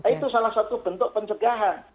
itu salah satu bentuk pencegahan